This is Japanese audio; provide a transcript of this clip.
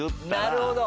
なるほど！